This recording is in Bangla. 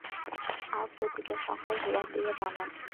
আর প্রতিটা সংখ্যাও হীরা দিয়ে বানানো।